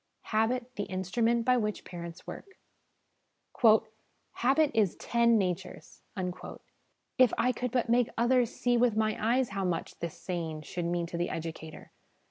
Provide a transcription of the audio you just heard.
Habit the Instrument by which Parents Work. ' Habit is TEN natures !' If I could but make others see with my eyes how much this saying should mean to the educator